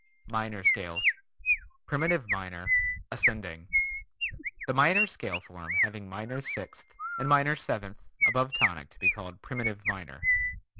MINOR SCALES Primitive Minor (ascending) The minor scale form having minor sixth and minor seventh above tonic to be called Primitive Minor.